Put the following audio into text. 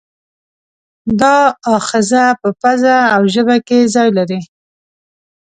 دا آخذه په پزه او ژبه کې ځای لري.